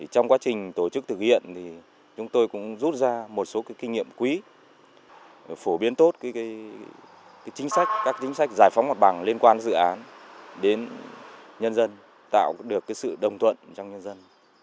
trong quá trình tổ chức thực hiện thì chúng tôi cũng rút ra một số kinh nghiệm quý phổ biến tốt chính sách các chính sách giải phóng mặt bằng liên quan dự án đến nhân dân tạo được sự đồng thuận trong nhân dân